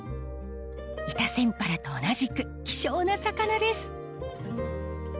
イタセンパラと同じく希少な魚です。